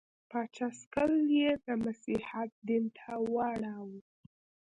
پاچا سکل یې د مسیحیت دین ته واړاوه.